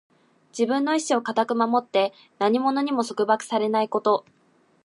自分の意志を固く守って、何者にも束縛されないこと。